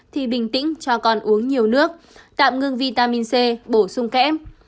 thì bình tĩnh cho con uống nhiều nước tạm ngưng vitamin c bổ sung kẽm